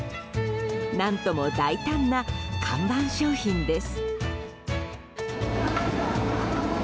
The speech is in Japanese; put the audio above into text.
何とも大胆な看板商品です。